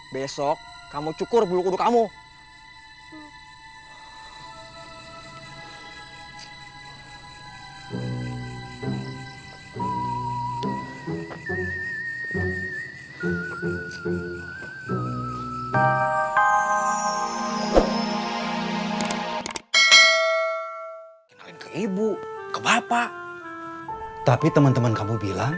besok kamu cukur bulu kudus kamu